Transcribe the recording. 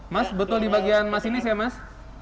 mas betul di bagian masinis ya mas